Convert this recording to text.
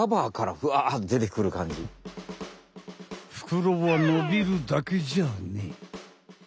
ふくろはのびるだけじゃねえ。